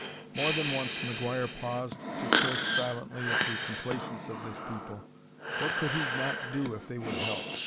More than once McGuire paused to curse silently at the complaisance of this people. What could he not do if they would help.